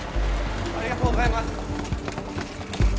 ありがとうございます。